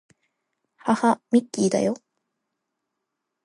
はは、ミッキーだよ